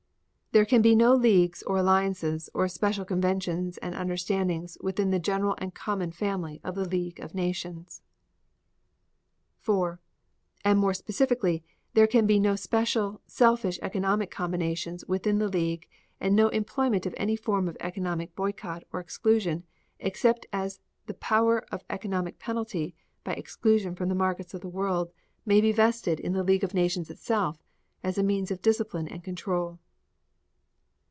There can be no leagues or alliances or special covenants and understandings within the general and common family of the League of Nations; 4. And more specifically, there can be no special, selfish economic combinations within the league and no employment of any form of economic boycott or exclusion except as the power of economic penalty by exclusion from the markets of the world may be vested in the League of Nations itself as a means of discipline and control.